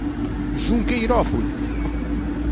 Junqueirópolis